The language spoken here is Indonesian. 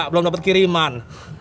belum dapet kiriman